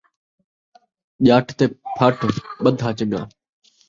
ڄٹ تے پھٹ ٻدھا چن٘ڳا